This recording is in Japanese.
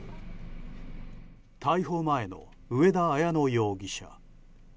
逮捕前の上田綾乃容疑者。